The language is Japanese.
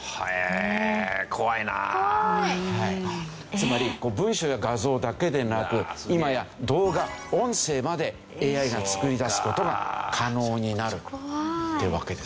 つまり文章や画像だけでなく今や動画音声までＡＩが作り出す事が可能になるってわけですよ。